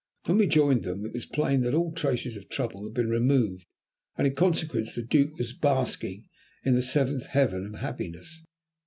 When we joined them it was plain that all traces of trouble had been removed, and in consequence the Duke was basking in the seventh heaven of happiness.